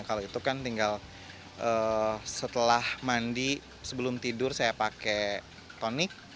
kalau itu kan tinggal setelah mandi sebelum tidur saya pakai tonic